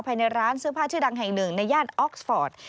ภายในร้านเสื้อผ้าชื่อดังแห่งหนึ่งในย่านออกสปอร์ต